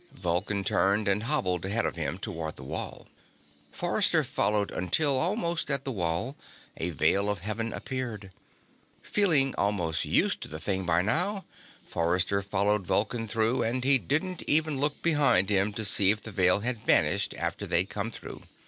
Vulcan turned and hobbled ahead of him toward the wall. Forrester followed until, almost at the wall, a Veil of Heaven appeared. Feeling almost used to the thing by now, Forrester followed Vulcan through, and he didn't even look behind him to see if the Veil had vanished after they'd come through.